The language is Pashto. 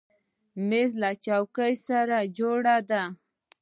مېز له چوکۍ سره جوړه ده.